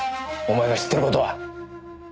お前が知ってる事は。